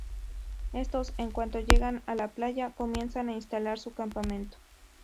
Éstos, en cuanto llegan a la playa comienzan a instalar su campamento.